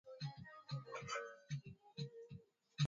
Kukohoa huku ulimi ukiwa umetoka nje